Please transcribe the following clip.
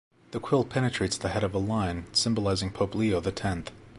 The quill penetrates the head of a lion symbolizing Pope Leo the Tenth.